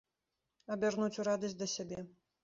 Абярнуць у радасць для сябе.